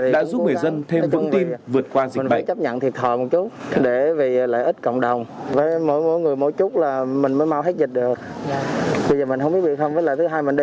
đã giúp người dân thêm vững tin vượt qua dịch bệnh